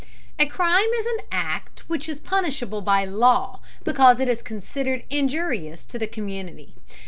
A crime is an act which is punishable by law because it is considered injurious to the community.